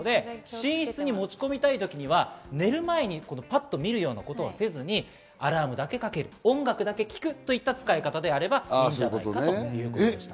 寝室に持ち込みたい時には寝る前にパッと見るようなことはせずに、アラームだけかける、音楽だけ聴くといった使い方であればいいじゃないかということです。